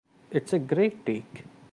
It's a great take.